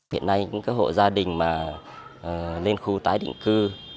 hiện nay những hội gia đình lên khu tái định cư